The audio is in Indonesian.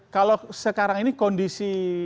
kalau sekarang ini kondisi